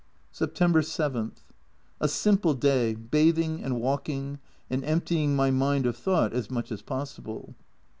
September 7. A simple day bathing and walk ing and emptying my mind of thought as much as possible.